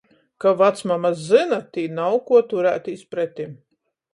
Ka vacmama zyna, tī nav kuo turētīs pretim.